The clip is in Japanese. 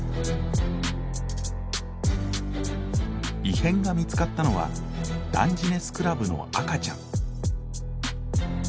異変が見つかったのはダンジネスクラブの赤ちゃん。